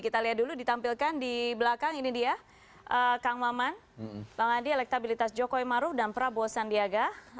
kita lihat dulu ditampilkan di belakang ini dia kang maman bang andi elektabilitas jokowi maru dan prabowo sandiaga